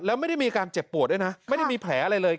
แล้วไม่ได้มีอาการเจ็บปวดด้วยนะไม่ได้มีแผลอะไรเลย